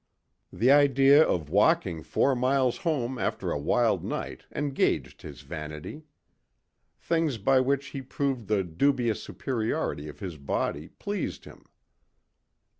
The idea of walking four miles home after a wild night engaged his vanity. Things by which he proved the dubious superiority of his body pleased him.